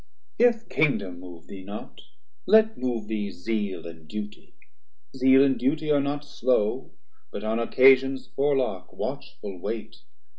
170 If Kingdom move thee not, let move thee Zeal, And Duty; Zeal and Duty are not slow; But on Occasions forelock watchful wait.